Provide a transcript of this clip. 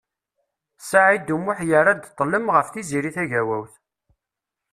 Saɛid U Muḥ yerra-d ṭlem ɣef Tiziri Tagawawt.